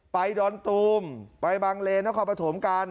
ไปดอนตูมไปบางเลนะคะประโถมกัน